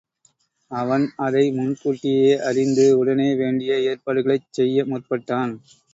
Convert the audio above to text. அவன் அதை முன்கூட்டியே அறிந்து உடனே வேண்டிய ஏற்பாடுகளைச் செய்ய முற்பட்டான்.